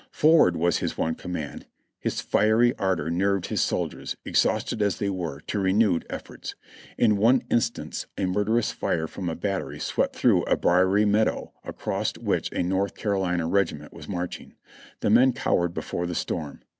"Forward!" was his one command. His fiery ardor nerved his soldiers, exhausted as they were, to renewed efforts. In one instance a murderous fire from a battery swept through a briery meadow across which a North Carolina regiment was marching. The men cowered before the storm.